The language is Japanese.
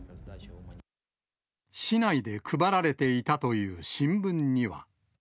市内で配られていたという新聞には。